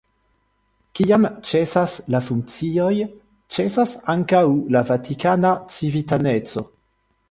Kiam ĉesas la funkcioj, ĉesas ankaŭ la vatikana civitaneco.